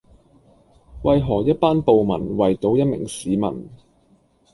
為何一班暴民圍堵一名市民